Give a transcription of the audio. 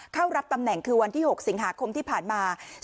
เข้ารับตำแหน่งคือวันที่๖สิงหาคมที่ผ่านมา